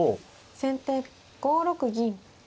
先手５六銀。